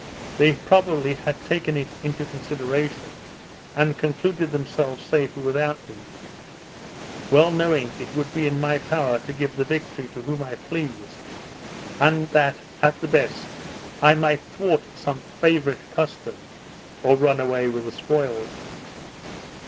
They probably had taken it into consideration, and concluded themselves safer without me; well knowing it would be in my power to give the victory to whom I pleased; and that, at the best, I might thwart some favourite custom, or run away with the spoils.